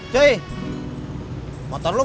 kurus tanpa istirahat